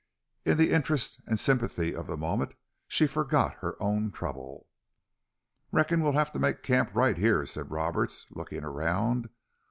In the interest and sympathy of the moment she forgot her own trouble. "Reckon we'll have to make camp right here," said Roberts, looking around.